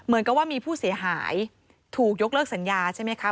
เหมือนกับว่ามีผู้เสียหายถูกยกเลิกสัญญาใช่ไหมคะ